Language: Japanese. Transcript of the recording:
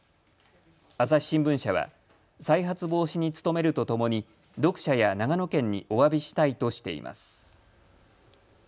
朝日新聞社は再発防止に努めるとともに読者や長野県におわびしたいとしています。